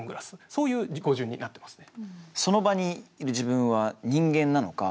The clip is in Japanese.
そういう語順になってますね。